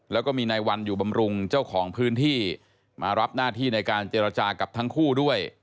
แล้วก็มีในวันอยู่บำรุงเจ้าของพื้นที่มารับหน้าที่ในการเจรจากับทั้งคู่ด้วย